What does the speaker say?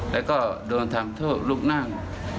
แล้วก็โดนทำโทษลูกนั่ง